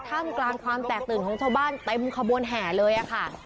ท่ามกลางความแตกตื่นของชาวบ้านเต็มขบวนแห่เลยค่ะ